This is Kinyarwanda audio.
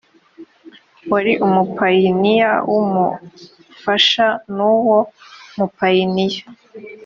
wari umupayiniya w umufasha n uwo mupayiniya